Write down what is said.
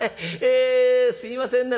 えすいませんね